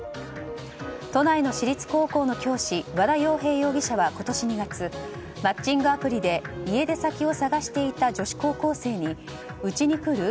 都内の私立高校の教師和田洋平容疑者は今年２月、マッチングアプリで家出先を探していた女子高校生にうちに来る？